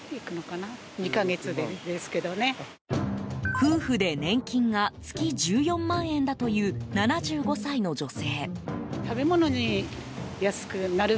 夫婦で年金が月１４万円だという７５歳の女性。